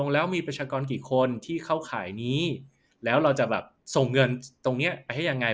แล้วมีประชากรกี่คนที่เข้าข่ายนี้แล้วเราจะแบบส่งเงินตรงนี้ไปให้ยังไง